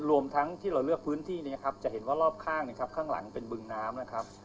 รวมทั้งที่เราเลือกพื้นที่นะครับจะเห็นว่ารอบข้างนะครับข้างหลังเป็นบึงน้ำนะครับ